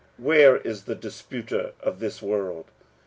where is the disputer of this world?